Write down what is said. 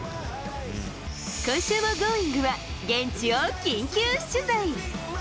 今週のＧｏｉｎｇ！は、現地を緊急取材。